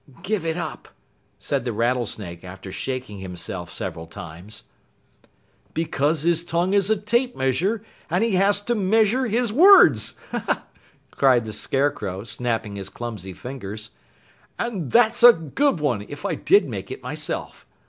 "Give it up!" said the Rattlesnake after shaking himself several times. "Because his tongue is a tape measure, and he has to measure his words!" cried the Scarecrow, snapping his clumsy fingers. "And that's a good one, if I did make it myself.